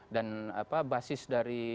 dan basis dari